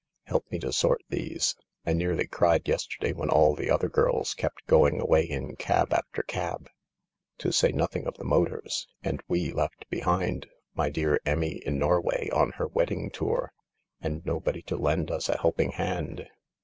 " Help me to sort these. I nearly cried yesterday when all the other girls kept going away in cab after cab— to say nothing of the motors— and we left behind, and dear Emmie in Norway on her wed ding tour and nobody to lend us a helping hand.